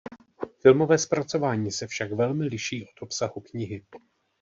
Filmové zpracování se však velmi liší od obsahu knihy.